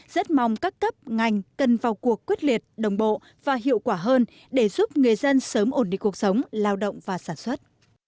rất mong các cấp ngành cần vào cuộc quyết liệt đồng bộ và hiệu quả hơn để giúp người dân sớm ổn định cuộc sống lao động và sản xuất